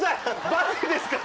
バディです